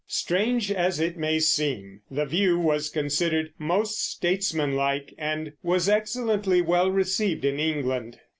Strange as it may seem, the View was considered most statesmanlike, and was excellently well received in England.